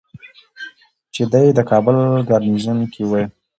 چې دی د کابل ګارنیزیون کې ؤ